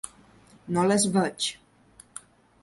No les veig.